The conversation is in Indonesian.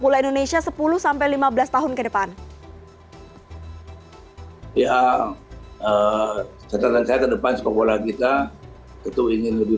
bola indonesia sepuluh lima belas tahun kedepan ia tetap terdekat depan sepak bola kita itu ingin lebih